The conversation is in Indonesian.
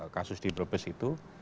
kasus di brebes itu